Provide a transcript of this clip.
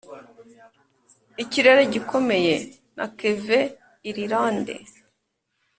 ikirere gikomeye. na kevin irilande. .